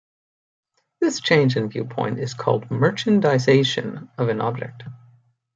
This change in viewpoint is called merchandization of an object.